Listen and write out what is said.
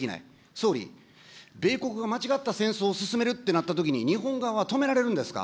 総理、米国が間違った戦争を進めるってなったときに、日本側は止められるんですか。